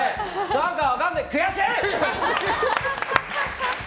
何か分かんないけど悔しい！